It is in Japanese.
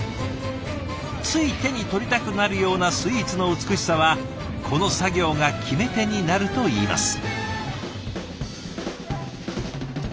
つい手に取りたくなるようなスイーツの美しさはこの作業が決め手になるといいます。